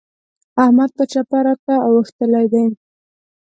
احمد پر چپه راته اوښتلی دی.